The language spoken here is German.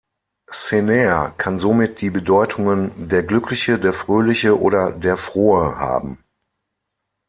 Şener kann somit die Bedeutungen „der Glückliche“, „der Fröhliche“ oder „der Frohe“ haben.